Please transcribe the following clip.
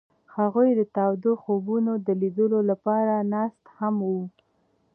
هغوی د تاوده خوبونو د لیدلو لپاره ناست هم وو.